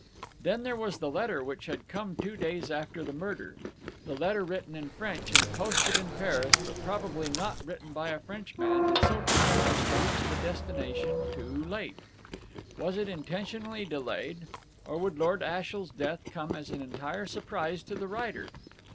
Then there was the letter which had come two days after the murder; the letter written in French and posted in Paris, but probably not written by a Frenchman, and so timed as to reach its destination too late. Was it intentionally delayed, or would Lord Ashiel's death come as an entire surprise to the writer?